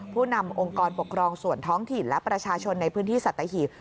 ผู้นำองค์กรปกครองส่วนท้องถิ่นและประชาชนในพื้นที่สัตหีบ